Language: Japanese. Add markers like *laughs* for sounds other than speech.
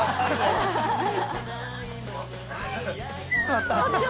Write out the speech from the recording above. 座った *laughs*